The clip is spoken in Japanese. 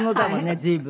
随分。